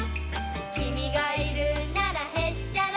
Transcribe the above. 「君がいるならへっちゃらさ」